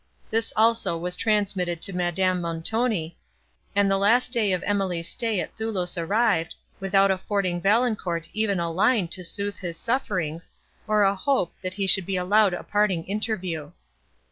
This also was transmitted to Madame Montoni, and the last day of Emily's stay at Thoulouse arrived, without affording Valancourt even a line to sooth his sufferings, or a hope, that he should be allowed a parting interview.